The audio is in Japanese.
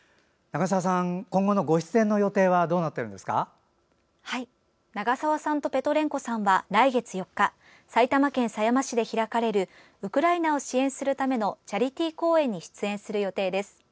長澤さんとペトレンコさんは来月４日埼玉県狭山市で開かれるウクライナを支援するためのチャリティー公演に出演する予定です。